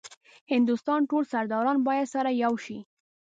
هندوستان ټول سرداران باید سره یو شي.